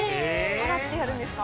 払ってやるんですか？